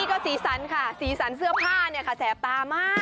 ก็สีสันค่ะสีสันเสื้อผ้าเนี่ยค่ะแสบตามาก